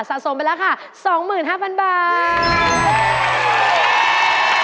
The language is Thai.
สะสมไปแล้วค่ะ๒๕๐๐๐บาท